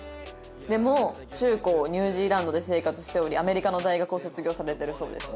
でも中高ニュージーランドで生活しておりアメリカの大学を卒業されてるそうです。